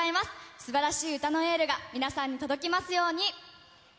すばらしい歌のエールが、皆さんに届きますように。